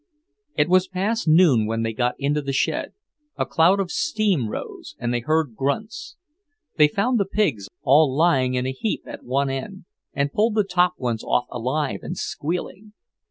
It was past noon when they got into the shed; a cloud of steam rose, and they heard grunts. They found the pigs all lying in a heap at one end, and pulled the top ones off alive and squealing.